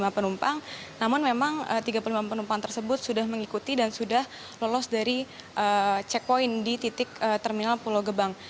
lima penumpang namun memang tiga puluh lima penumpang tersebut sudah mengikuti dan sudah lolos dari checkpoint di titik terminal pulau gebang